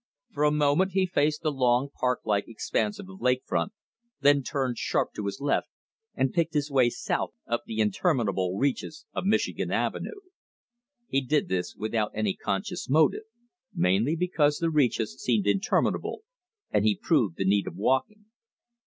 For a moment he faced the long park like expanse of the lake front, then turned sharp to his left and picked his way south up the interminable reaches of Michigan Avenue. He did this without any conscious motive mainly because the reaches seemed interminable, and he proved the need of walking.